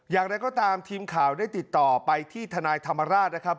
อย่างไรก็ตามทีมข่าวได้ติดต่อไปที่ทนายธรรมราชนะครับ